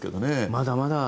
まだまだ。